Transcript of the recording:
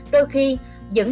đôi khi dẫn đến bệnh viện